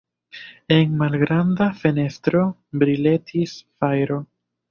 En malgranda fenestro briletis fajro.